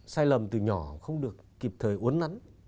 sai lầm từ nhỏ không được kịp thời uốn nắn